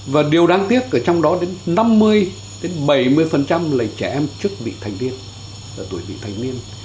và điều đáng tiếc ở trong đó đến năm mươi đến bảy mươi là trẻ em trước tuổi bị thành niên